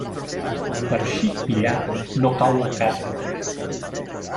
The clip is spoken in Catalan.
Per xic pillar no cau la casa.